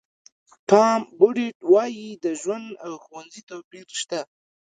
ټام بوډیټ وایي د ژوند او ښوونځي توپیر شته.